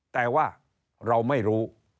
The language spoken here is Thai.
แต่ว่าเราไม่รู้